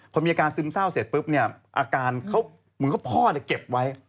พอมีอาการซึมเศร้าเสร็จปุ๊บอาการเหมือนกับพ่อแต่เก็บไว้